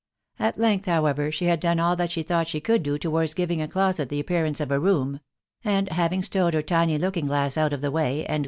At length, however, she had done all that she thought she could do. towards giving a closet the apuearanee of a roera; and having stowed her tiny looking gjLaa* oufc o£ to* 'wvjv.(*S6&. THE W1JWW BA BNAUY.